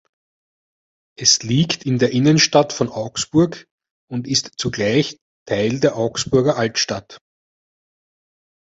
Es liegt in der Innenstadt von Augsburg und ist zugleich Teil der Augsburger Altstadt.